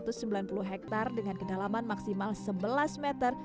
dan areas prendre dengan kedalaman maksimal kadar sebelas meter